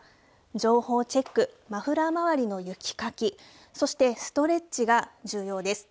情報をチェック、マフラー周りの雪かき、そしてストレッチが重要です。